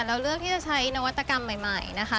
เราเลือกที่จะใช้นวัตกรรมใหม่นะคะ